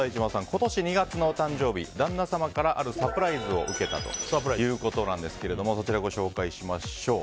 今年２月のお誕生日旦那様からあるサプライズを受けたということですがそちらご紹介しましょう。